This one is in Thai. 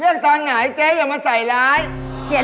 ตอนไหนเจ๊อย่ามาใส่ร้าย